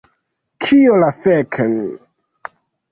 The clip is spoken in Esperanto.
Kio la fek'...